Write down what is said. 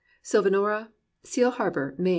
Stlvanora, Seal Harbour, Me.